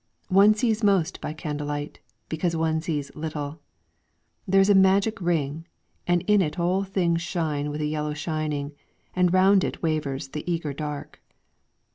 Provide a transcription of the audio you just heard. One sees most by candlelight, because one sees little. There is a magic ring, and in it all things shine with a yellow shining, and round it wavers the eager dark.